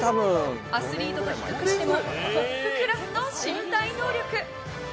アスリートと比較してもトップクラスの身体能力。